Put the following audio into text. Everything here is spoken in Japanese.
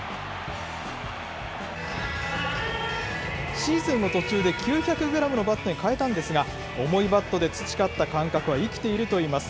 シーズンの途中で９００グラムのバットに変えたんですが、重いバットで培った感覚は生きているといいます。